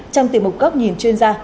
trong tìm một góc nhìn chuyên gia